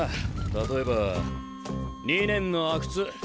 例えば２年の阿久津。